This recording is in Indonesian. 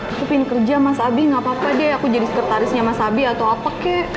aku ingin kerja mas abi gak apa apa deh aku jadi sekretarisnya mas abi atau apa kek